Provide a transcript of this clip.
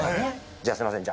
じゃあすいません。